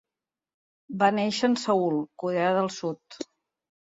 Va néixer en Seül, Corea del sud.